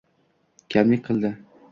Kamlik qildi